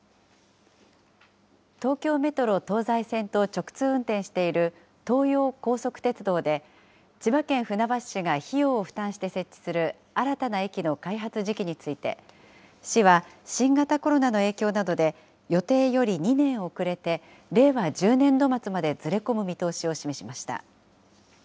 東京メトロ東西線と直通運転している東葉高速鉄道で、千葉県船橋市が費用を負担して設置する新たな駅の開発時期について、市は新型コロナの影響などで予定より２年遅れて、令和１０年度末までずれ込む見通しを示しました。